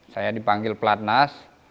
saya dipanggil pelatnas